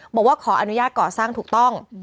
บอกว่าขออนุญาตก่อสร้างถูกต้อง